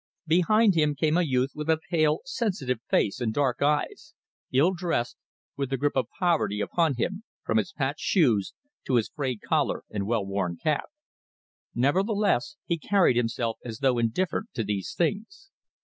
Behind him came a youth with a pale, sensitive face and dark eyes, ill dressed, with the grip of poverty upon him, from his patched shoes to his frayed collar and well worn cap. Nevertheless, he carried himself as though indifferent to these things.